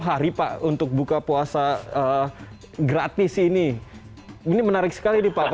hari pak untuk buka puasa gratis ini ini menarik sekali nih pak